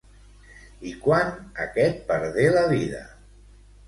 I quan aquest perdé la vida?